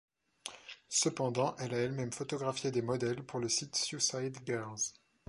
Cependant, elle a elle-même photographié des modèles pour le site SuicideGirls.